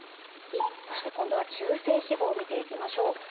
そして今度は中性脂肪見ていきましょう。